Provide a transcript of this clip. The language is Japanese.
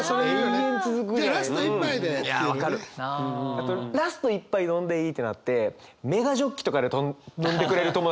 あとラスト一杯飲んでいいってなってメガジョッキとかで頼んでくれる友達